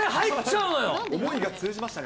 思いが通じましたね。